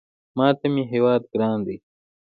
ماته مې هېواد ګران دی